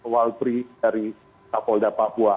walpri dari kapolda papua